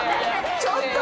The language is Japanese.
ちょっと！